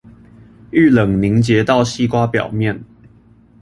遇冷凝結到西瓜表面